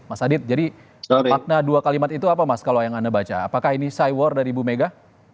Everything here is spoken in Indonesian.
mas adit jadi makna dua kalimat itu apa mas kalau yang anda baca apakah ini cy war dari ibu mega